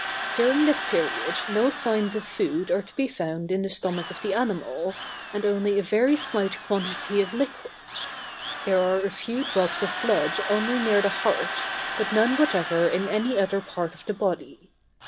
During this period no signs of food are to be found in the stomach of the animal, and only a very slight quantity of liquid; there are a few drops of blood only near the heart, but none whatever in any other part of the body.